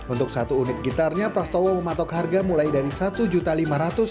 untuk satu unit gitarnya rastowo mematok harga mulai dari rp satu